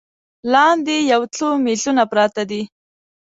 لاندې یو څو میزونه پراته دي.